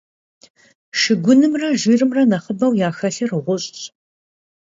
Шыгунымрэ жырымрэ нэхъыбэу яхэлъыр гъущӀщ.